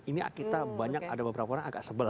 ini kita banyak ada beberapa orang agak sebel